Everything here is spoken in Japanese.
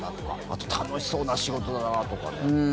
あと楽しそうな仕事だなあとかね。